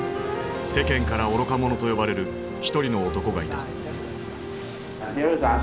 世間から「愚か者」と呼ばれる一人の男がいた。